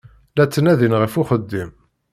La ttnadin ɣef uxeddim.